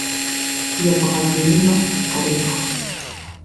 Ебгъэлеймэ — къреху.